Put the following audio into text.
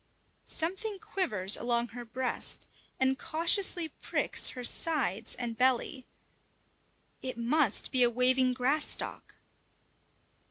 Something quivers along her breast and cautiously pricks her sides and belly. It must be a waving grass stalk!